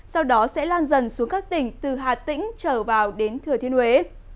sau đó sẽ lan dần xuống các tỉnh từ hà tĩnh trở vào đến thừa thiên huế